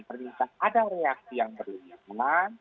pernahkah ada reaksi yang berlindungan